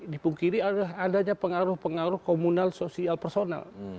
dipungkiri adanya pengaruh pengaruh komunal sosial personal